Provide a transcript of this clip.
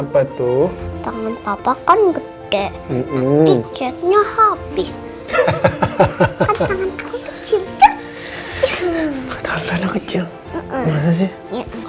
papa boleh ikutan nggak